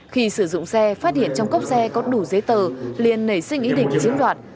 khi sử dụng xe phát hiện trong cốc xe có đủ giấy tờ liên nảy sinh ý định chiếm đoạt